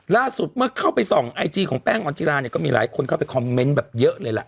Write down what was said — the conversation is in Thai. ล่าสุดเมื่อเข้าไปส่องไอจีของแป้งออนจิราเนี่ยก็มีหลายคนเข้าไปคอมเมนต์แบบเยอะเลยล่ะ